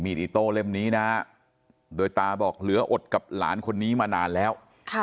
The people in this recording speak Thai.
อิโต้เล่มนี้นะโดยตาบอกเหลืออดกับหลานคนนี้มานานแล้ว